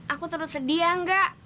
aku terlalu sedia nggak